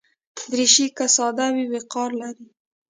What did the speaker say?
دریشي که ساده وي، وقار لري.